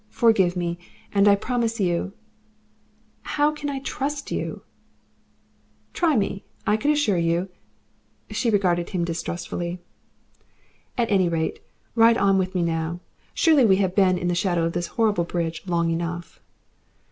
Forgive me, and I promise you " "How can I trust you?" "Try me. I can assure you " She regarded him distrustfully. "At any rate, ride on with me now. Surely we have been in the shadow of this horrible bridge long enough."